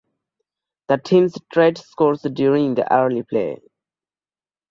The teams traded scores during the early play.